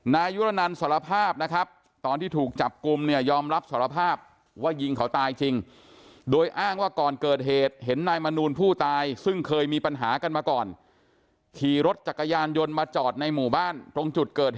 นายุรนันต์ที่ถูกจับกุมยอมรับทรวภาพว่าหลิงปัญหาตายจริง